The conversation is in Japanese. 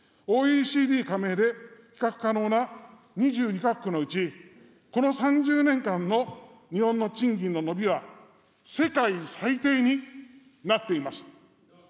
ＯＥＣＤ加盟で比較可能な２２か国のうち、この３０年間の日本の賃金の伸びは、世界最低になっています。